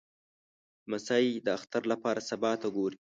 لمسی د اختر لپاره سبا ته ګوري.